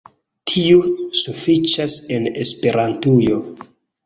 Tiu sufiĉas en Esperantujo